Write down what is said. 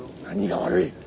何が悪い。